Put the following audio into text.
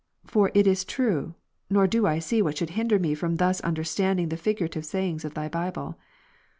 For it is true, nor do I see what should hinder me from thus under standing the figurative sayings of Thy Bible.